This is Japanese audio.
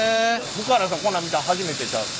福原さんこんなん見たん初めてちゃうの？